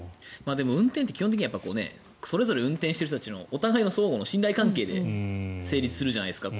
でも、運転って基本的にはそれぞれ運転している人たちのお互いの相互の信頼関係で成立するじゃないですか。